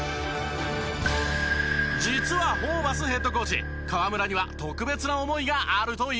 実はホーバスヘッドコーチ河村には特別な思いがあるといいます。